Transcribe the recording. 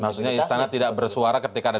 maksudnya istana tidak bersuara ketika ada